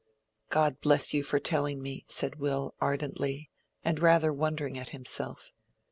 "God bless you for telling me!" said Will, ardently, and rather wondering at himself.